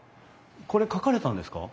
これ描かれたんですか？